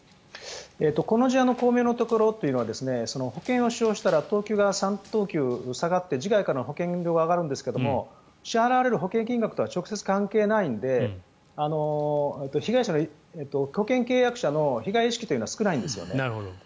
この事案の巧妙なところは保険を使用したら等級が３等級下がって次回からの保険料が上がるんですけども支払われる保険金額とは直接関係ないので、被害者の保険契約者の被害意識は少ないんですね。